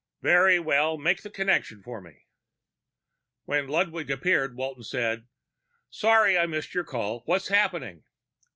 "Very well. Make the connection for me." When Ludwig appeared, Walton said, "Sorry I missed your call. What's happening?"